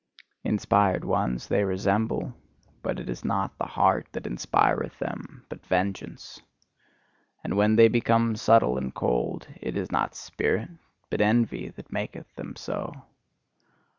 Inspired ones they resemble: but it is not the heart that inspireth them but vengeance. And when they become subtle and cold, it is not spirit, but envy, that maketh them so.